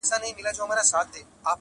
چي پکښي و لټوو لار د سپین سبا په لوري,